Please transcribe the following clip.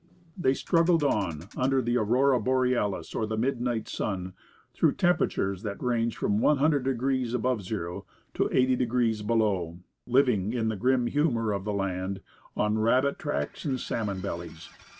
They struggled on, under the aurora borealis or the midnight sun, through temperatures that ranged from one hundred degrees above zero to eighty degrees below, living, in the grim humour of the land, on "rabbit tracks and salmon bellies."